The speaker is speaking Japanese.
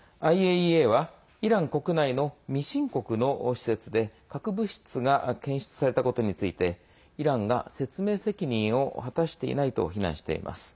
ＩＡＥＡはイラン国内の未申告の施設で核物質が検出されたことについてイランが説明責任を果たしていないと非難しています。